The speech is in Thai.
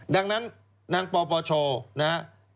ดังนั้นนางปอปอโชว์นะ